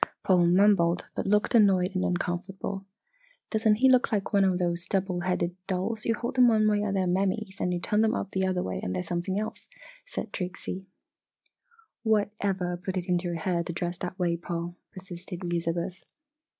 Paul mumbled but looked annoyed and uncomfortable. "Doesn't he look like one of those double headed dolls? You hold them one way and they are Mammys, and you turn them up the other way and they are something else," said Trixie. "What ever put it into your head to dress that way, Paul?" persisted Elizabeth.